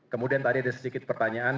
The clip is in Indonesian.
kemudian tadi ada sedikit pertanyaan